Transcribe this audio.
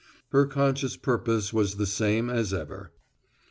Her conscious purpose was the same as ever.